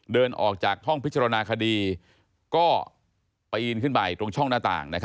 เดินออกจากห้องพิจารณาคดีก็ปีนขึ้นไปตรงช่องหน้าต่าง